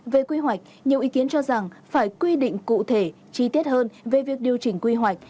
về quy hoạch nhiều ý kiến cho rằng phải quy định cụ thể chi tiết hơn về việc điều chỉnh quy hoạch